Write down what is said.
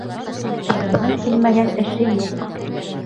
Ҡулынан килмәгән эше юҡ.